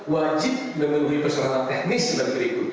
wajib menemui persatuan teknis berikut